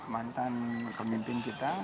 mantan pemimpin kita